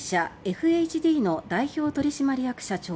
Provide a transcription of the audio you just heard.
ＦＨＤの代表取締役社長